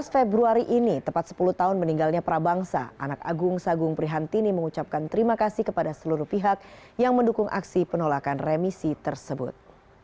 sebelas februari ini tepat sepuluh tahun meninggalnya prabangsa anak agung sagung prihantini mengucapkan terima kasih kepada seluruh pihak yang mendukung aksi penolakan remisi tersebut